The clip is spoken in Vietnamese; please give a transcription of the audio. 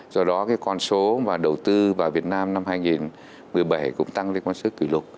do đó con số đầu tư vào việt nam năm hai nghìn một mươi bảy cũng tăng lên con số kỷ lục